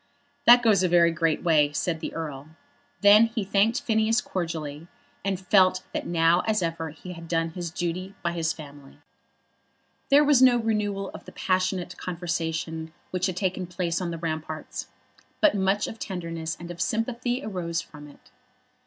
"That goes a very great way," said the Earl. Then he thanked Phineas cordially, and felt that now as ever he had done his duty by his family. There was no renewal of the passionate conversation which had taken place on the ramparts, but much of tenderness and of sympathy arose from it.